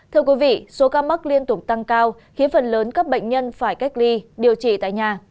thưa quý vị số ca mắc liên tục tăng cao khiến phần lớn các bệnh nhân phải cách ly điều trị tại nhà